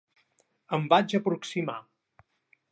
Em vaig aproximar.